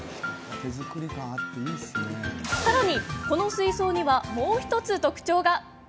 さらに、この水槽にはもう１つ特徴が。